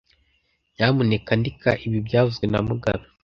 Nyamuneka andika ibi byavuzwe na mugabe